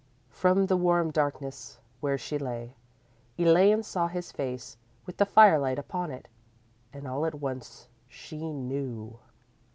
"_ _From the warm darkness where she lay, Elaine saw his face with the firelight upon it, and all at once she knew.